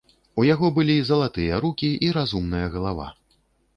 У яго былі залатыя рукі і разумная галава.